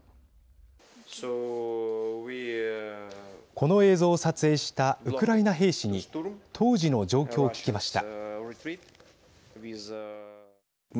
この映像を撮影したウクライナ兵士に当時の状況を聞きました。